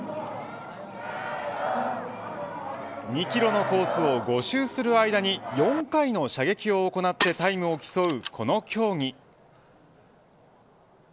２キロのコースを５周する間に４回の射撃を行ってタイムを競うこの競技。